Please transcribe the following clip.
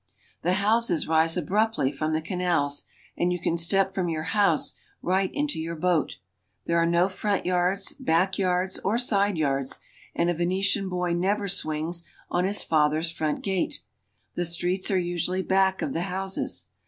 The houses rise abruptly from the canals, and you can step from your house right into your boat. There are no front yards, back yards, or side yards, and a Venetian boy never swings on his father's front gate. The streets are usually back of the houses.